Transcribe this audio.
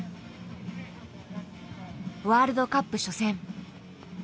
ワールドカップ初戦。